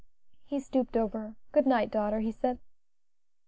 '" He stooped over her. "Good night, daughter," he said.